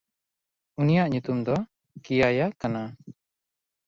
ᱩᱱᱤᱭᱟᱜ ᱧᱩᱛᱩᱢ ᱫᱚ ᱠᱤᱭᱟᱭᱟ ᱠᱟᱱᱟ᱾